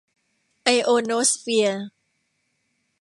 ไอโอโนสเฟียร์